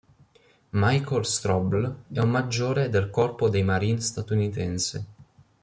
Michael Strobl è un maggiore del corpo dei marine statunitense.